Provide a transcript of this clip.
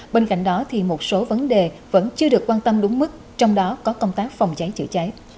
bên cạnh đó thì một số vấn đề vẫn chưa được quan tâm đúng mức trong đó có công tác phòng cháy chữa cháy